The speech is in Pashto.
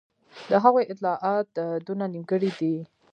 د هغوی اطلاعات دونه نیمګړي دي.